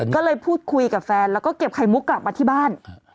ก็เลยพูดคุยกับแฟนแล้วก็เก็บไข่มุกกลับมาที่บ้าน